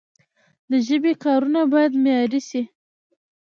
د ژبي کارونه باید معیاري سی.